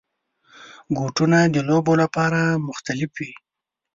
بوټونه د لوبو لپاره مختلف وي.